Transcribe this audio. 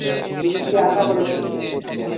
তুমি কী আশা করছিলে?